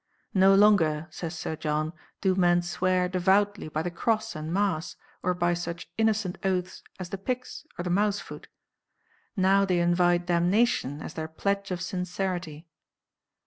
No longer, says Sir John, do men swear devoutly by the cross and mass, or by such innocent oaths as the pyx or the mousefoot. Now they invite damnation as their pledge of sincerity.